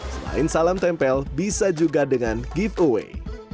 selain salam tempel bisa juga dengan giveaway